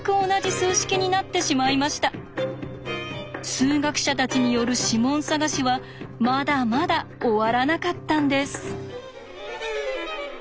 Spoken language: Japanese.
数学者たちによる指紋探しはまだまだ終わらなかったんです。